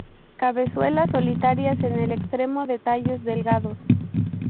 Cabezuelas solitarias en el extremo de tallos delgados.